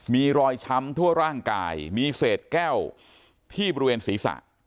มีรอยช้ำทั่วร่างกายมีเศษแก้วที่บริเวณศีรษะ